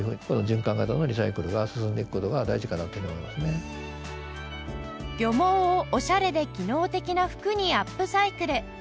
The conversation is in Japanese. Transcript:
小林さんが漁網をオシャレで機能的な服にアップサイクル